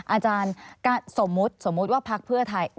อาจารย์สมมุติว่าพักเพื่อไทย